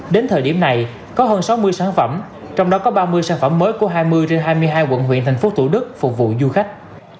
đến thời điểm này có hơn sáu mươi sản phẩm trong đó có ba mươi sản phẩm mới của hai mươi trên hai mươi hai quận huyện thành phố thủ đức phục vụ du khách